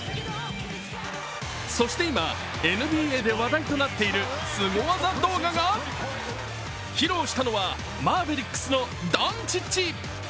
そして今、ＮＢＡで話題となっているすご技動画が披露したのは、マーベリックスのドンチッチ。